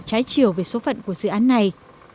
trái chiều về số phận của dự án này